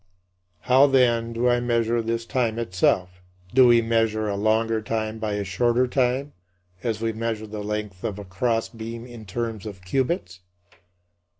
How, then, do I measure this time itself? Do we measure a longer time by a shorter time, as we measure the length of a crossbeam in terms of cubits?